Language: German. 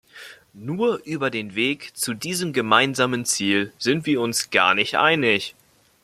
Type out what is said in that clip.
Nur über den Weg zu diesem gemeinsamen Ziel sind wir uns gar nicht einig.